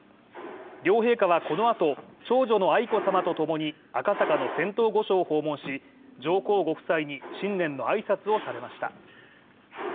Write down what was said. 両陛下はこのあと、長女の愛子さまとともに赤坂の仙洞御所を訪問し上皇ご夫妻に新年の挨拶をされました。